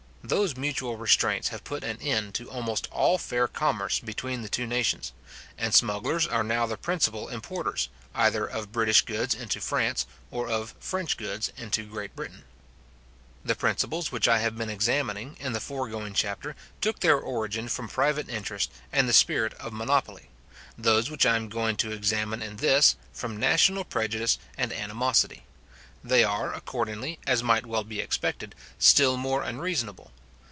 Those mutual restraints have put an end to almost all fair commerce between the two nations; and smugglers are now the principal importers, either of British goods into France, or of French goods into Great Britain. The principles which I have been examining, in the foregoing chapter, took their origin from private interest and the spirit of monopoly; those which I am going te examine in this, from national prejudice and animosity. They are, accordingly, as might well be expected, still more unreasonable.